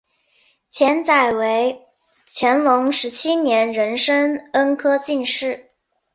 钱载为乾隆十七年壬申恩科进士。